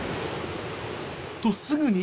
とすぐに！